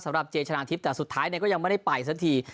สำหรับเจชนาทิพย์แต่สุดท้ายเนี่ยก็ยังไม่ได้ไปสักที